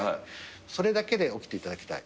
それだけで起きていただきたい。